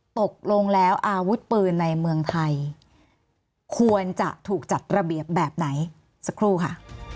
ตกลงแล้วอาวุธปืนในเมืองไทยควรจะถูกจัดระเบียบแบบไหนสักครู่ค่ะ